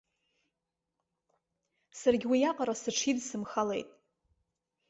Саргьы уиаҟара сыҽидсымхалеит.